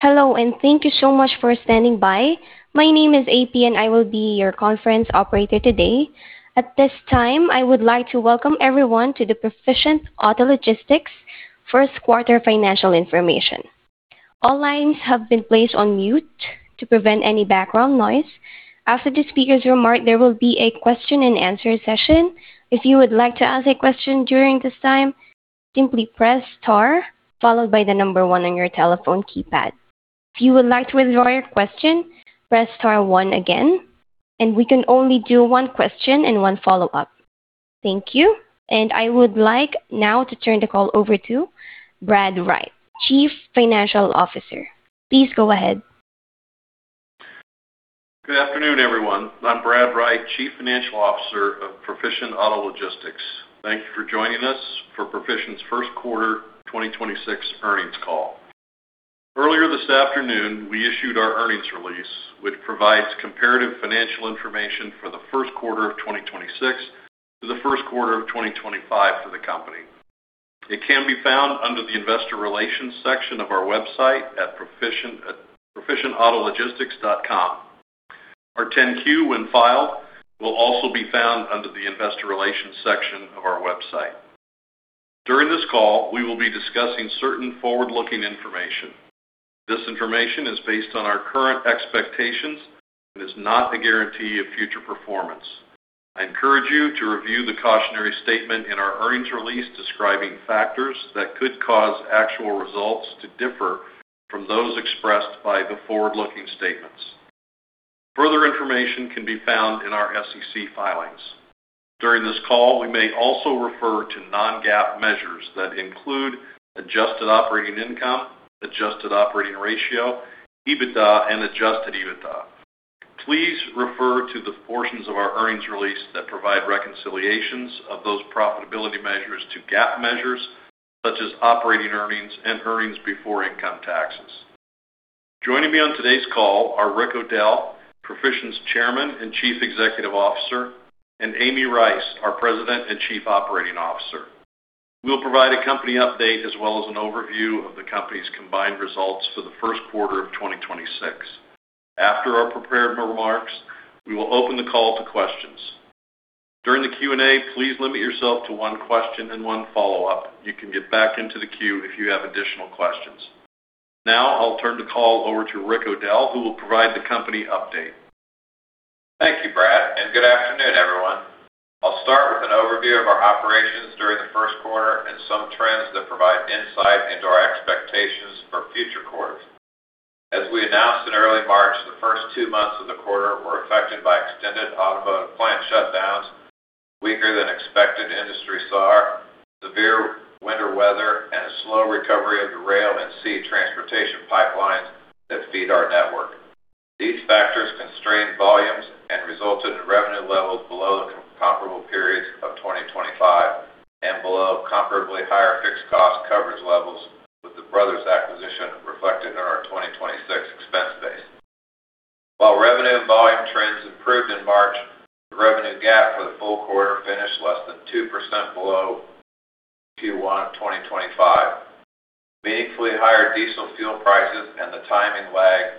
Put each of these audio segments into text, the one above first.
Thank you so much for standing by. My name is AP, and I will be your conference operator today. At this time, I would like to welcome everyone to the Proficient Auto Logistics first quarter financial information. All lines have been placed on mute to prevent any background noise. After the speaker's remark, there will be a question-and-answer session. If you would like to ask a question during this time, simply press Star followed by the number one on your telephone keypad. If you would like to withdraw your question, press Star one again, and we can only do one question and one follow-up. Thank you. I would like now to turn the call over to Brad Wright, Chief Financial Officer. Please go ahead. Good afternoon, everyone. I'm Brad Wright, Chief Financial Officer of Proficient Auto Logistics. Thank you for joining us for Proficient's first quarter 2026 earnings call. Earlier this afternoon, we issued our earnings release, which provides comparative financial information for the first quarter of 2026 to the first quarter of 2025 for the company. It can be found under the Investor Relations section of our website at proficientautologistics.com. Our 10-Q, when filed, will also be found under the Investor Relations section of our website. During this call, we will be discussing certain forward-looking information. This information is based on our current expectations and is not a guarantee of future performance. I encourage you to review the cautionary statement in our earnings release describing factors that could cause actual results to differ from those expressed by the forward-looking statements. Further information can be found in our SEC filings. During this call, we may also refer to non-GAAP measures that include adjusted operating income, adjusted operating ratio, EBITDA, and Adjusted EBITDA. Please refer to the portions of our earnings release that provide reconciliations of those profitability measures to GAAP measures such as operating earnings and earnings before income taxes. Joining me on today's call are Rick O'Dell, Proficient's Chairman and Chief Executive Officer, and Amy Rice, our President and Chief Operating Officer, who will provide a company update as well as an overview of the company's combined results for the first quarter of 2026. After our prepared remarks, we will open the call to questions. During the Q&A, please limit yourself to one question and one follow-up. You can get back into the queue if you have additional questions. I'll turn the call over to Rick O'Dell, who will provide the company update. Thank you, Brad. Good afternoon, everyone. I'll start with an overview of our operations during the first quarter and some trends that provide insight into our expectations for future quarters. As we announced in early March, the first two months of the quarter were affected by extended automotive plant shutdowns, weaker-than-expected industry SAAR, severe winter weather, and a slow recovery of the rail and sea transportation pipelines that feed our network. These factors constrained volumes and resulted in revenue levels below the comparable periods of 2025 and below comparably higher fixed cost coverage levels, with the Brothers acquisition reflected in our 2026 expense base. While revenue and volume trends improved in March, the revenue gap for the full quarter finished less than 2% below Q1 2025. Meaningfully higher diesel fuel prices and the timing lag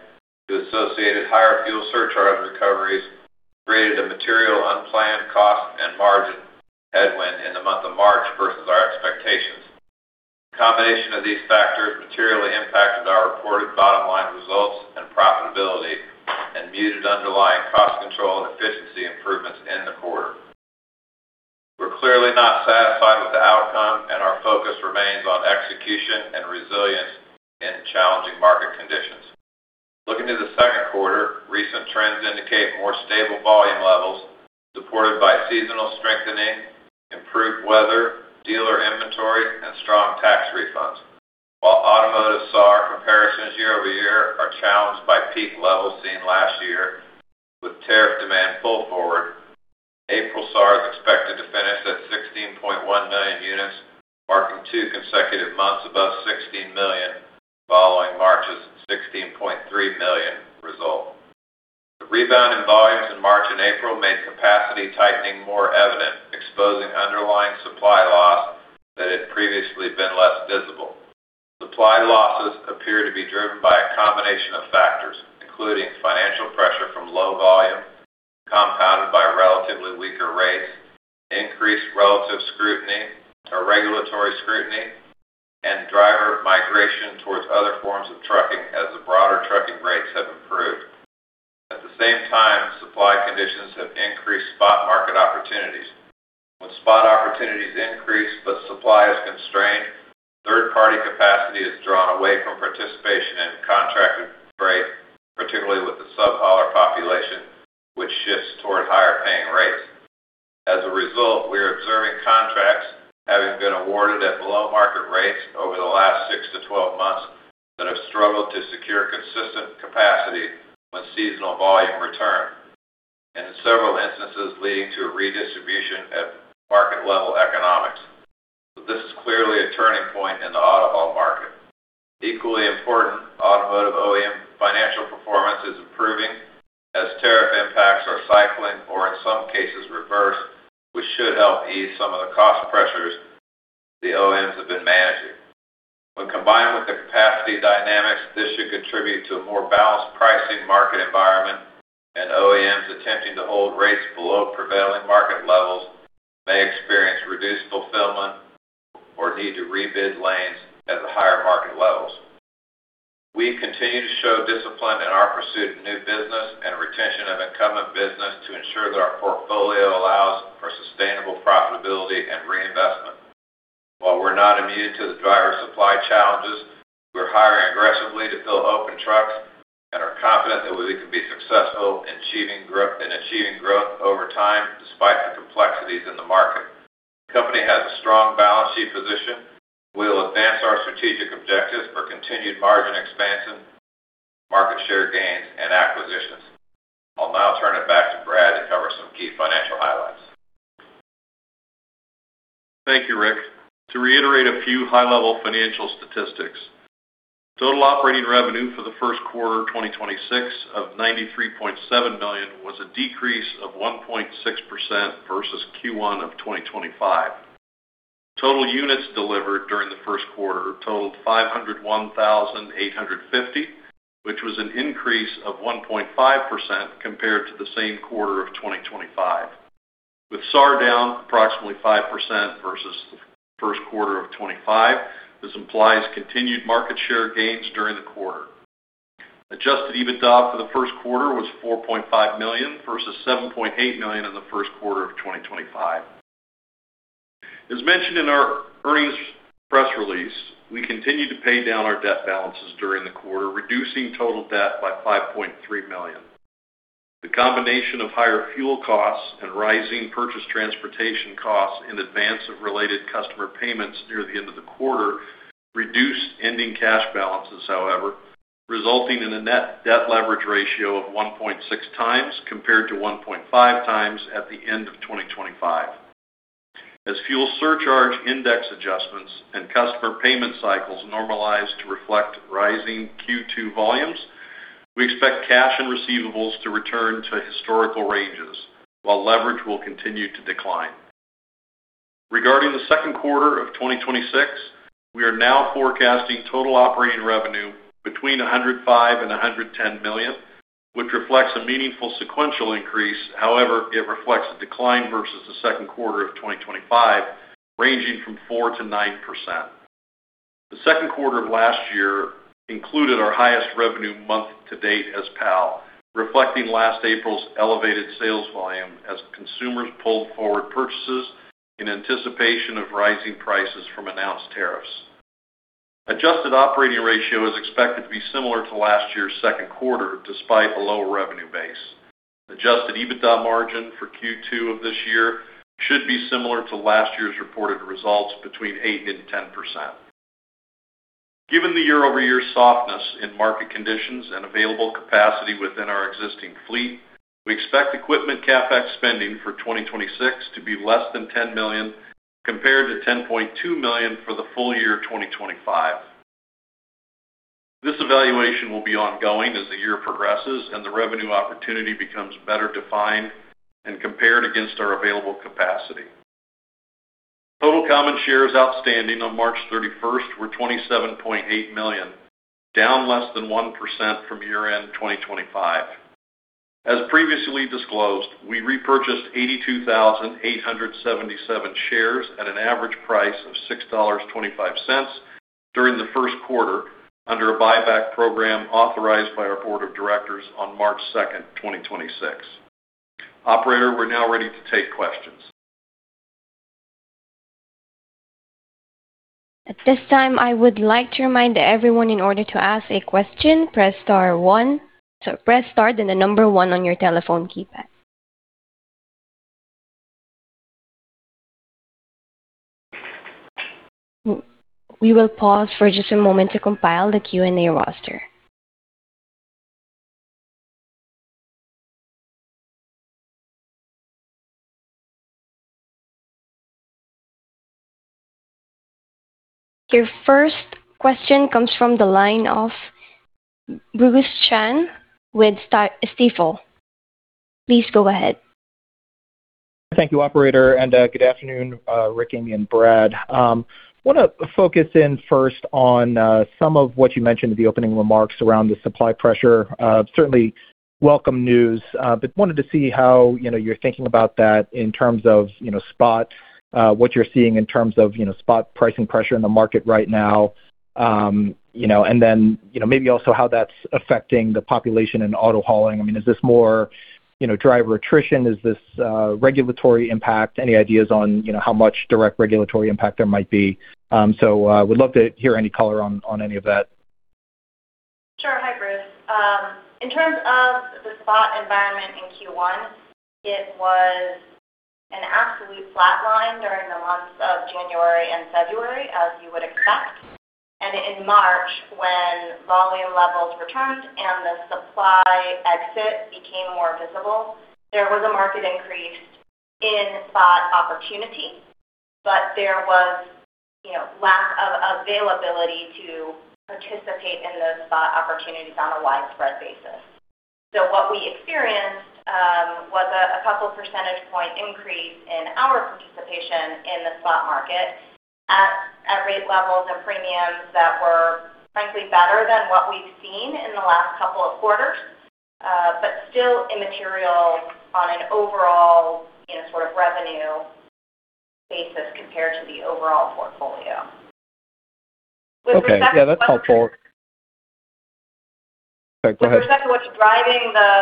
to associated higher fuel surcharge recoveries created a material unplanned cost and margin headwind in the month of March versus our expectations. The combination of these factors materially impacted our reported bottom line results and profitability and muted underlying cost control and efficiency improvements in the quarter. We're clearly not satisfied with the outcome, and our focus remains on execution and resilience in challenging market conditions. Looking to the second quarter, recent trends indicate more stable volume levels supported by seasonal strengthening, improved weather, dealer inventory, and strong tax refunds. While automotive SAAR comparisons year-over-year are challenged by peak levels seen last year with tariff demand pull forward, April SAAR is expected to finish at 16.1 million units, marking 2 consecutive months above 16 million following March's 16.3 million result. The rebound in volumes in March and April made capacity tightening more evident, exposing underlying supply loss that had previously been less visible. Supply losses appear to be driven by a combination of factors, including financial pressure from low volume compounded by relatively weaker rates, increased relative scrutiny to regulatory scrutiny, and driver migration towards other forms of trucking as the broader trucking rates have improved. At the same time, supply conditions have increased spot market opportunities. When spot opportunities increase but supply is constrained, third-party capacity is drawn away from participation in contracted freight, particularly with the sub-hauler population, which shifts towards higher paying rates. As a result, we are observing contracts having been awarded at below-market rates over the last six-12 months that have struggled to secure consistent capacity when seasonal volume returned, and in several instances, leading to a redistribution at market-level economics. This is clearly a turning point in the auto haul market. Equally important, automotive OEMs improving as tariff impacts are cycling or in some cases reversed, which should help ease some of the cost pressures the OEMs have been managing. When combined with the capacity dynamics, this should contribute to a more balanced pricing market environment, and OEMs attempting to hold rates below prevailing market levels may experience reduced fulfillment or need to rebid lanes at the higher market levels. We continue to show discipline in our pursuit of new business and retention of incumbent business to ensure that our portfolio allows for sustainable profitability and reinvestment. While we're not immune to the driver supply challenges, we're hiring aggressively to fill open trucks and are confident that we can be successful in achieving growth over time despite the complexities in the market. The company has a strong balance sheet position. We'll advance our strategic objectives for continued margin expansion, market share gains, and acquisitions. I'll now turn it back to Brad to cover some key financial highlights. Thank you, Rick. To reiterate a few high-level financial statistics. Total operating revenue for the first quarter 2026 of $93.7 billion was a decrease of 1.6% versus Q1 of 2025. Total units delivered during the first quarter totaled 501,850, which was an increase of 1.5% compared to the same quarter of 2025. With SAAR down approximately 5% versus the first quarter of 2025, this implies continued market share gains during the quarter. Adjusted EBITDA for the first quarter was $4.5 million versus $7.8 million in the first quarter of 2025. As mentioned in our earnings press release, we continued to pay down our debt balances during the quarter, reducing total debt by $5.3 million. The combination of higher fuel costs and rising purchase transportation costs in advance of related customer payments near the end of the quarter reduced ending cash balances, however, resulting in a net debt leverage ratio of 1.6x compared to 1.5x at the end of 2025. As fuel surcharge index adjustments and customer payment cycles normalize to reflect rising Q2 volumes, we expect cash and receivables to return to historical ranges while leverage will continue to decline. Regarding the second quarter of 2026, we are now forecasting total operating revenue between $105 million and $110 million, which reflects a meaningful sequential increase. It reflects a decline versus the second quarter of 2025 ranging from 4%-9%. The second quarter of last year included our highest revenue month to date as PAL, reflecting last April's elevated sales volume as consumers pulled forward purchases in anticipation of rising prices from announced tariffs. adjusted operating ratio is expected to be similar to last year's second quarter despite a lower revenue base. Adjusted EBITDA margin for Q2 of this year should be similar to last year's reported results between 8% and 10%. Given the year-over-year softness in market conditions and available capacity within our existing fleet, we expect equipment CapEx spending for 2026 to be less than $10 million, compared to $10.2 million for the full year 2025. This evaluation will be ongoing as the year progresses and the revenue opportunity becomes better defined and compared against our available capacity. Total common shares outstanding on March 31st were 27.8 million, down less than 1% from year-end 2025. As previously disclosed, we repurchased 82,877 shares at an average price of $6.25 during the first quarter under a buyback program authorized by our board of directors on March 2nd, 2026. Operator, we're now ready to take questions. At this time, I would like to remind everyone in order to ask a question, press star one. Press star then the number one on your telephone keypad. We will pause for just a moment to compile the Q&A roster. Your first question comes from the line of Bruce Chan with Stifel. Please go ahead. Thank you, operator. Good afternoon, Rick, Amy, and Brad. Want to focus in first on some of what you mentioned in the opening remarks around the supply pressure. Certainly welcome news, wanted to see how, you know, you're thinking about that in terms of, you know, spot, what you're seeing in terms of, you know, spot pricing pressure in the market right now. You know, then, you know, maybe also how that's affecting the population in auto hauling. I mean, is this more, you know, driver attrition? Is this regulatory impact? Any ideas on, you know, how much direct regulatory impact there might be? Would love to hear any color on any of that. Sure. Hi, Bruce. In terms of the spot environment in Q1, it was an absolute flatline during the months of January and February, as you would expect. In March, when volume levels returned and the supply exit became more visible, there was a marked increase in spot opportunity. There was, you know, lack of availability to participate in those spot opportunities on a widespread basis. What we experienced, was a couple percentage point increase in our participation in the spot market at rate levels and premiums that were frankly better than what we've seen in the last couple of quarters, but still immaterial on an overall, you know, sort of revenue basis compared to the overall portfolio. Okay, yeah, that's helpful. Go ahead. With respect to what's driving the,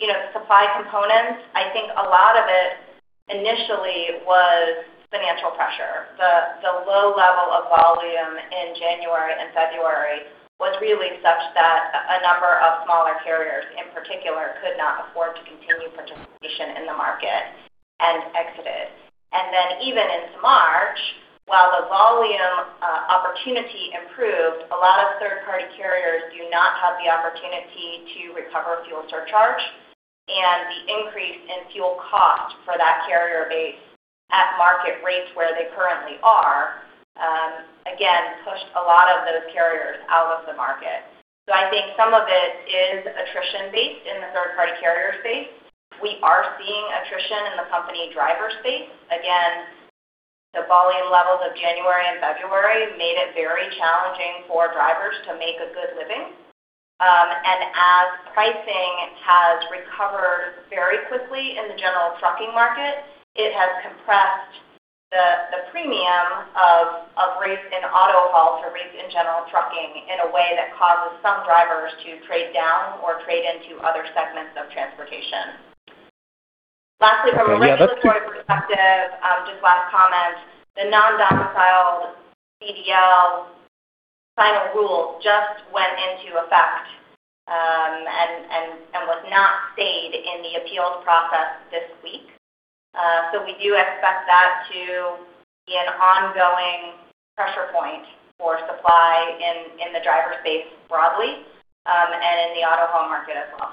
you know, supply components, I think a lot of it initially was financial pressure. The low level of volume in January and February was really such that a number of smaller carriers in particular could not afford to continue participation in the market and exited. Then even into March, while the volume opportunity improved, a lot of third-party carriers do not have the opportunity to recover fuel surcharge. The increase in fuel cost for that carrier base at market rates where they currently are, again, pushed a lot of those carriers out of the market. I think some of it is attrition-based in the third-party carrier space. We are seeing attrition in the company driver space. Again, the volume levels of January and February made it very challenging for drivers to make a good living. As pricing has recovered very quickly in the general trucking market, it has compressed the premium of rates in auto haul to rates in general trucking in a way that causes some drivers to trade down or trade into other segments of transportation. Lastly, from a regulatory perspective, just last comment, the non-domiciled CDL final rule just went into effect and was not stayed in the appeals process this week. We do expect that to be an ongoing pressure point for supply in the driver space broadly and in the auto haul market as well.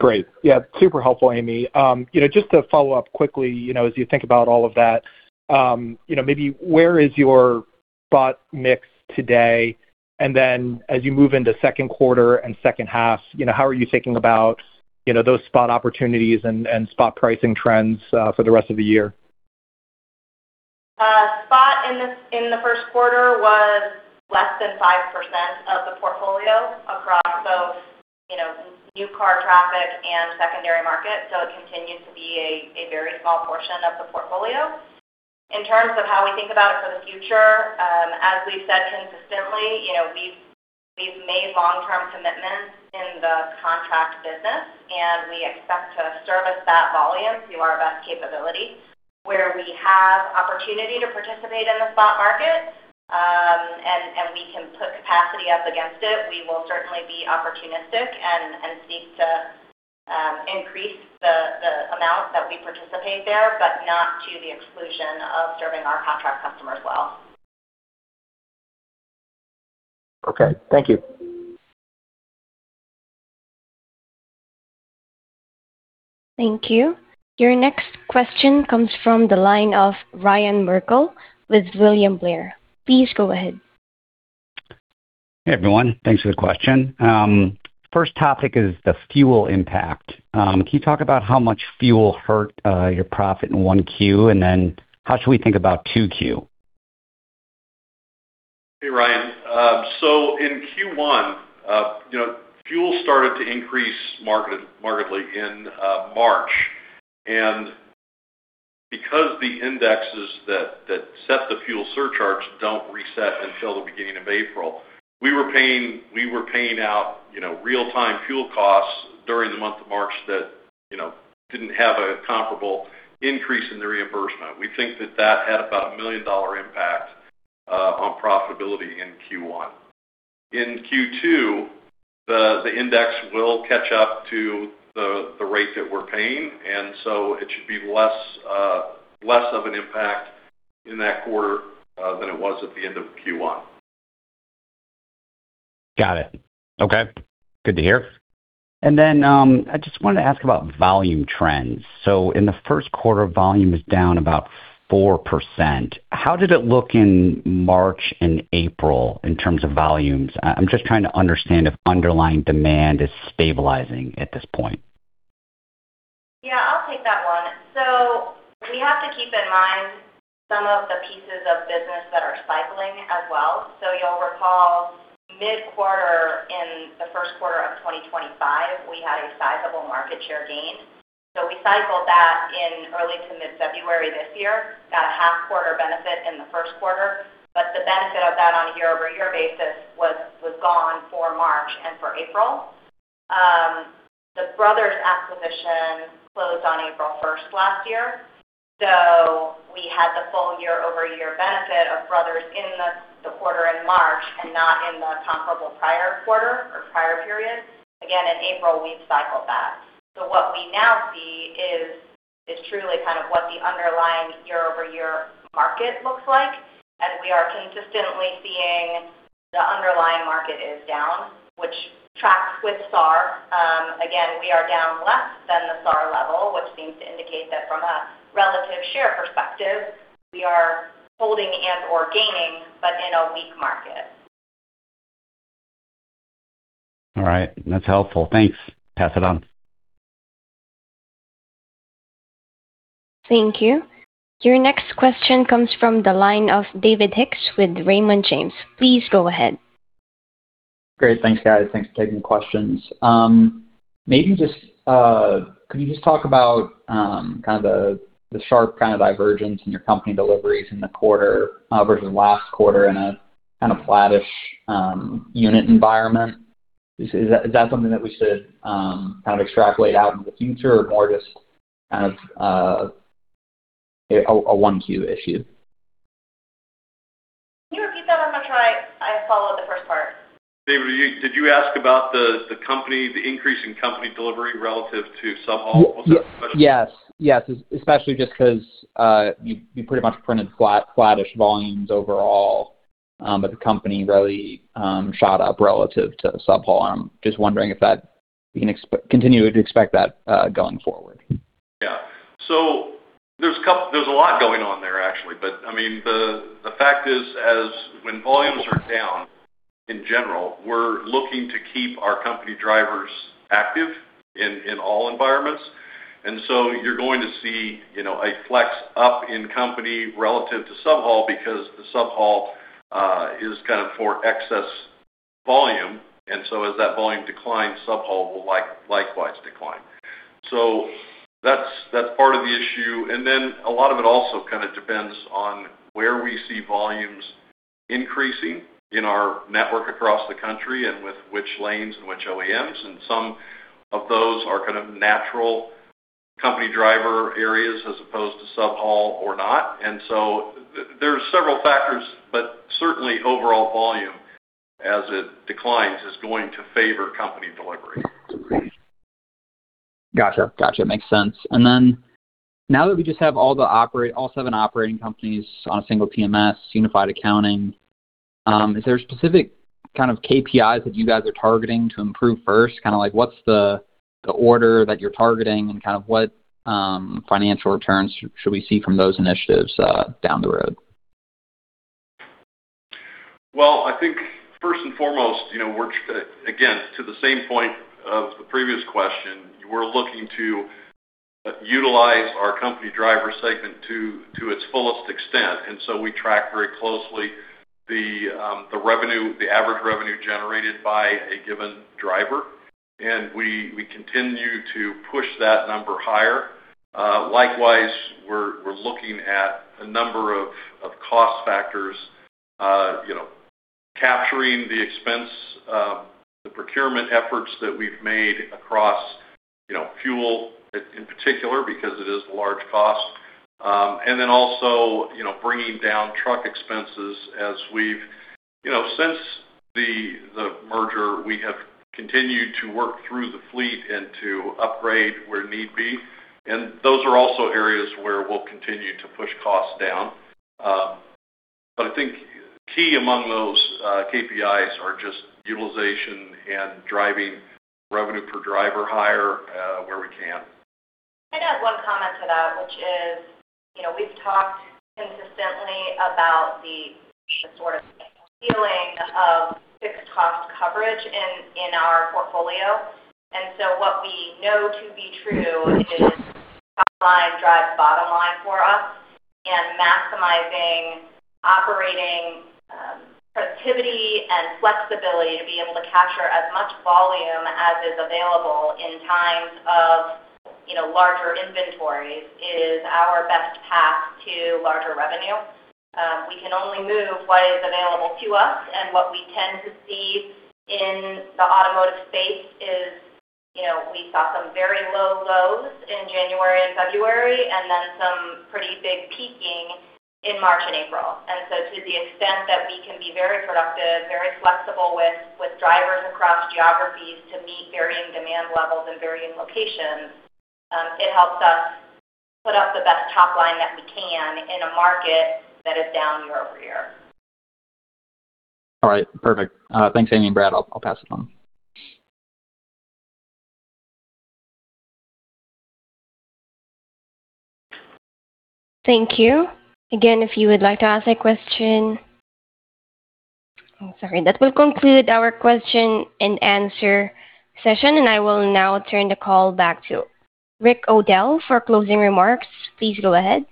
Great. Yeah, super helpful, Amy. You know, just to follow up quickly, you know, as you think about all of that, you know, maybe where is your spot mix today? As you move into second quarter and second half, you know, how are you thinking about, you know, those spot opportunities and spot pricing trends for the rest of the year? Spot in the first quarter was less than 5% of the portfolio across both, you know, new car traffic and secondary market. It continues to be a very small portion of the portfolio. In terms of how we think about it for the future, as we've said consistently, you know, we've made long-term commitments in the contract business, and we expect to service that volume to our best capability. Where we have opportunity to participate in the spot market, and we can put capacity up against it, we will certainly be opportunistic and seek to increase the amount that we participate there, but not to the exclusion of serving our contract customers well. Okay. Thank you. Thank you. Your next question comes from the line of Ryan Merkel with William Blair. Please go ahead. Hey, everyone. Thanks for the question. First topic is the fuel impact. Can you talk about how much fuel hurt your profit in 1Q? How should we think about 2Q? Hey, Ryan. In Q1, fuel started to increase markedly in March. Because the indexes that set the fuel surcharge don't reset until the beginning of April, we were paying out real-time fuel costs during the month of March that didn't have a comparable increase in the reimbursement. We think that had about a $1 million impact on profitability in Q1. In Q2, the index will catch up to the rate that we're paying, it should be less of an impact in that quarter than it was at the end of Q1. Got it. Okay. Good to hear. I just wanted to ask about volume trends. In the first quarter, volume is down about 4%. How did it look in March and April in terms of volumes? I'm just trying to understand if underlying demand is stabilizing at this point. Yeah, I'll take that one. We have to keep in mind some of the pieces of business that are cycling as well. You'll recall mid-quarter in the first quarter of 2025, we had a sizable market share gain. We cycled that in early to mid-February this year. Got a half-quarter benefit in the first quarter. The benefit of that on a year-over-year basis was gone for March and for April. The Brothers acquisition closed on April 1st last year. We had the full year-over-year benefit of Brothers in the quarter in March and not in the comparable prior quarter or prior period. Again, in April, we've cycled that. What we now see is truly kind of what the underlying year-over-year market looks like. We are consistently seeing the underlying market is down, which tracks with SAAR. Again, we are down less than the SAAR level, which seems to indicate that from a relative share perspective, we are holding and or gaining but in a weak market. All right. That's helpful. Thanks. Pass it on. Thank you. Your next question comes from the line of David Hicks with Raymond James. Please go ahead. Great. Thanks, guys. Thanks for taking the questions. Maybe just, could you just talk about, kind of the sharp kind of divergence in your company deliveries in the quarter, versus last quarter in a kind of flattish, unit environment. Is that something that we should, kind of extrapolate out into the future or more just as, a one Q issue? Can you repeat that one more time? I followed the first part. David, did you ask about the company, the increase in company delivery relative to subhaul? What's that? Yes. Yes. Especially just 'cause you pretty much printed flattish volumes overall. The company really shot up relative to sub-haul. I'm just wondering if we can continue to expect that going forward? Yeah. There's a lot going on there, actually. I mean, the fact is as when volumes are down in general, we're looking to keep our company drivers active in all environments. You're going to see, you know, a flex up in company relative to subhaul because the subhaul is kind of for excess volume, as that volume declines, subhaul will likewise decline. That's part of the issue. A lot of it also kinda depends on where we see volumes increasing in our network across the country and with which lanes and which OEMs. Some of those are kind of natural company driver areas as opposed to subhaul or not. There are several factors, but certainly overall volume, as it declines, is going to favor company delivery. Gotcha. Gotcha. Makes sense. Now that we just have all the seven operating companies on a single TMS, unified accounting, is there specific kind of KPIs that you guys are targeting to improve first? Kinda like, what's the order that you're targeting and kind of what financial returns should we see from those initiatives down the road? Well, I think first and foremost, you know, again, to the same point of the previous question, we're looking to utilize our company driver segment to its fullest extent. We track very closely the revenue, the average revenue generated by a given driver, and we continue to push that number higher. Likewise, we're looking at a number of cost factors, you know, capturing the expense, the procurement efforts that we've made across, you know, fuel in particular because it is a large cost. Also, you know, bringing down truck expenses as we've since the merger, we have continued to work through the fleet and to upgrade where need be, and those are also areas where we'll continue to push costs down. I think key among those, KPIs are just utilization and driving revenue per driver higher, where we can. Can I add one comment to that, which is, you know, we've talked consistently about the sort of feeling of fixed cost coverage in our portfolio. What we know to be true is top line drives bottom line for us, and maximizing operating productivity and flexibility to be able to capture as much volume as is available in times of, you know, larger inventories is our best path to larger revenue. We can only move what is available to us, and what we tend to see in the automotive space is, you know, we saw some very low lows in January and February and then some pretty big peaking in March and April. To the extent that we can be very productive, very flexible with drivers across geographies to meet varying demand levels in varying locations, it helps us put up the best top line that we can in a market that is down year-over-year. All right. Perfect. Thanks, Amy and Brad. I'll pass it on. Thank you. Again, if you would like to ask a question, I'm sorry. That will conclude our question-and-answer session, and I will now turn the call back to Rick O'Dell for closing remarks. Please go ahead.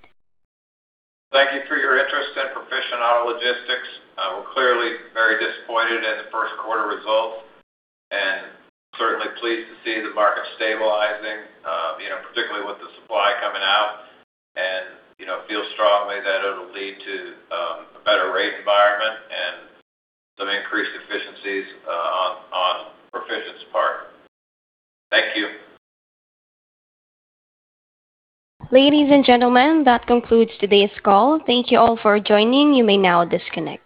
Thank you for your interest in Proficient Auto Logistics. We're clearly very disappointed in the first quarter results and certainly pleased to see the market stabilizing, you know, particularly with the supply coming out and, you know, feel strongly that it'll lead to a better rate environment and some increased efficiencies on Proficient's part. Thank you. Ladies and gentlemen, that concludes today's call. Thank you all for joining. You may now disconnect.